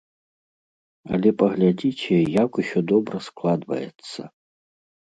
Але паглядзіце, як усё добра складваецца!